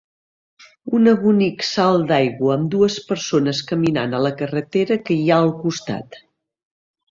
Una bonic salt d'aigua amb dues persones caminant a la carretera que hi ha al costat.